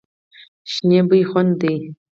شنې بوی خوند دی.